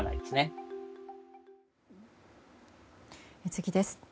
次です。